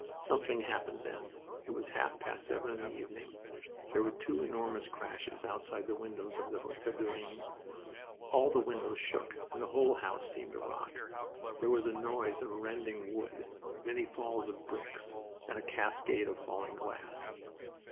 Something happened then. It was half past seven in the evening. There were two enormous crashes outside the windows of the Hotel du Rhin. All the windows shook and the whole house seemed to rock. There was a noise of rending wood, many falls of bricks, and a cascade of falling glass.